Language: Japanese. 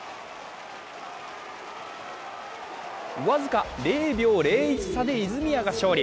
僅か０秒０１差で泉谷が勝利。